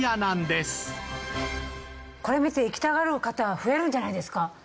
これ見て行きたがる方が増えるんじゃないですか？